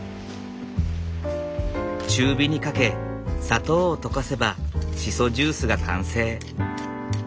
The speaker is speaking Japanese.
中火にかけ砂糖を溶かせばシソジュースが完成。